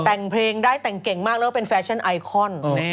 แต่งเพลงได้แต่งเก่งมากแล้วเป็นแฟชั่นไอคอน